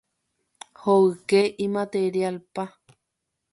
hoyke imaterial-pa.